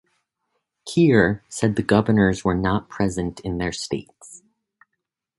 Kiir said the governors were not present in their states.